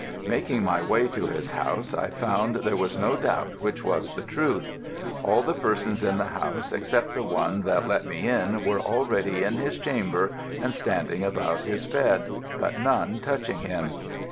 Making my way to his house I found there was no doubt which was the truth. All the persons in the house except the one that let me in were already in his chamber and standing about his bed, but none touching him.